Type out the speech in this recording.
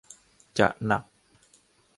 จะหนัก